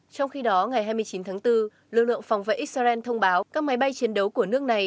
trong khi đó ngày hai mươi chín tháng bốn lực lượng phòng vệ israel thông báo các máy bay chiến đấu của nước này